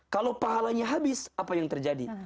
kalau pahalanya habis apa yang terjadi